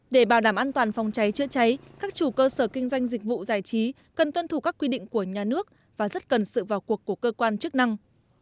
để bảo đảm an toàn phòng cháy chữa cháy các chủ cơ sở kinh doanh dịch vụ giải trí cần tuân thủ các quy định của nhà nước và rất cần sự vào cuộc của cơ quan chức năng